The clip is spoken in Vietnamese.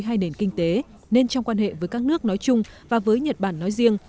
hai nền kinh tế nên trong quan hệ với các nước nói chung và với nhật bản nói riêng